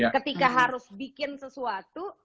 ketika harus bikin sesuatu